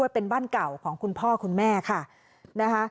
เป็นบ้านเก่าของคุณพ่อคุณแม่ค่ะนะคะ